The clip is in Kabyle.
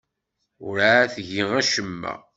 Werɛad tgi acemma.